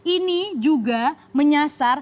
ini juga menyasarkan